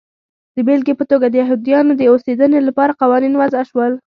د بېلګې په توګه د یهودیانو د اوسېدنې لپاره قوانین وضع شول.